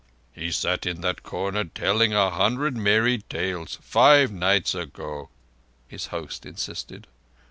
"He sat in that corner telling a hundred merry tales five nights ago," his host insisted.